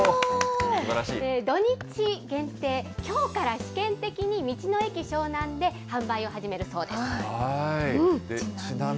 土日限定、きょうから試験的に道の駅しょうなんで販売を始めるそうです。